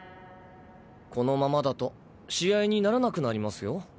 このままだと試合にならなくなりますよ。